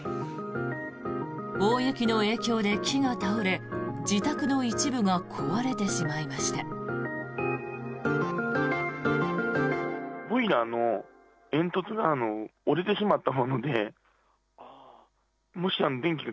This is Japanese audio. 大雪の影響で木が倒れ自宅の一部が壊れてしまいました。